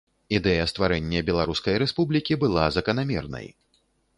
Ідэя стварэння беларускай рэспублікі была заканамернай.